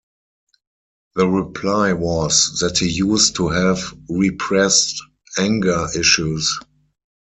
The reply was that he used to have "repressed anger issues".